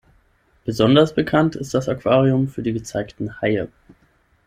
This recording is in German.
Besonders bekannt ist das Aquarium für die gezeigten Haie.